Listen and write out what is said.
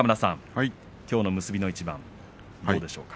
きょうの結びの一番どうでしょうか。